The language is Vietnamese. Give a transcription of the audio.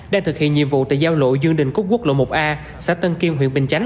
đang thực hiện nhiệm vụ tại giao lộ dương đình cúc quốc lộ một a xã tân kiên huyện bình chánh